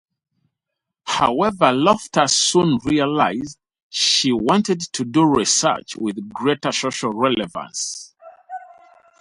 However Loftus soon realized she wanted to do research with greater social relevance.